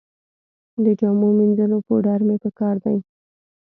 د جامو مینځلو پوډر مې په کار دي